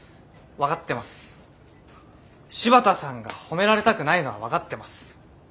柴田さんが褒められたくないのは分かってます。